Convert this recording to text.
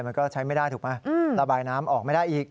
มันก็ใช้ไม่ได้ถูกไหมระบายน้ำออกไม่ได้อีก